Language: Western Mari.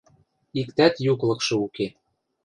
Иктӓт юк лыкшы уке.